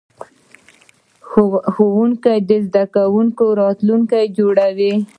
ښوونکی د زده کوونکي راتلونکی جوړوي.